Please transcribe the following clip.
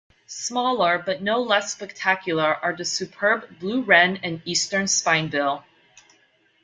Smaller but no less spectacular are the superb blue wren and eastern spinebill.